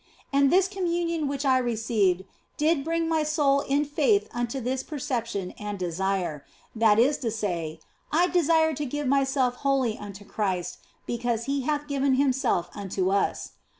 And this Communion which I received did bring my soul in faith unto this perception and desire that is to say, I desired to give myself wholly unto Christ because He hath given Himself unto us.